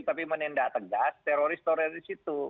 tapi menindak tegas teroris teroris itu